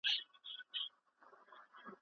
د هر پوهنتون قوانین باید په پام کي ونیول سي.